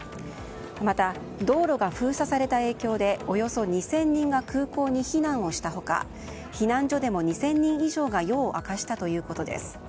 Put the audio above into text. また、道路が封鎖された影響でおよそ２０００人が空港に避難をした他避難所でも２０００人以上が夜を明かしたということです。